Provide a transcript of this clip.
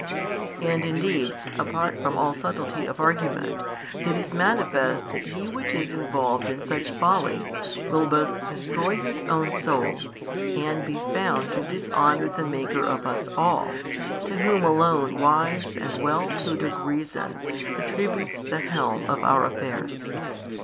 And indeed, apart from all subtlety of argument, it is manifest that he which is involved in such folly, will both destroy his own soul, and be found to dishonour the Maker of us all, to whom Alone wise and well tutored reason attributes the helm of our affairs.